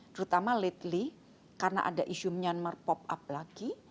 terutama litely karena ada isu myanmar pop up lagi